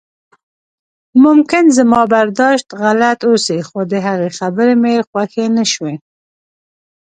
ممکن زما برداشت غلط اوسي خو د هغې خبرې مې خوښې نشوې.